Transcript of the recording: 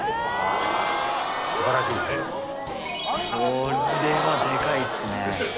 これはデカいっすね